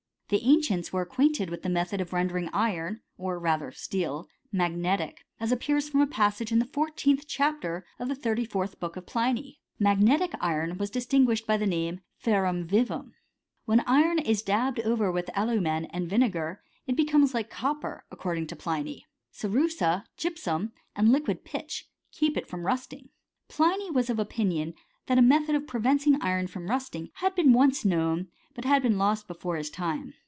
The ancients were acquainted with the method of rendering iron, or rather steel, magnetic ; as appears from a passage in the fourteenth chapter of the thirty* fourth book of Pliny. Magnetic iron was distinguished by the name of ferrura vivum. When iron is dabbed over with alumen and vinegar it becomes like copper, according to Pliny. Gerussa; gypsum, and liquid pitch, keep it from rusting. Pliny was of opinion that a method of preventing iron from rusting had been once known, but had been lost be* fore his time.